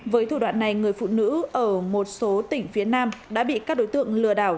với thủ đoạn này người phụ nữ ở một số tỉnh phía nam đã bị các đối tượng lừa đảo